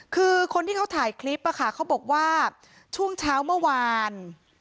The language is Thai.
คือคนที่เขาถ่ายคลิปเขาบอกว่าช่วงเช้าเมื่อวาน